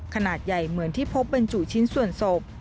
ขนาดใหญ่เหมือนที่พบบรรจุชิ้นส่วนศพ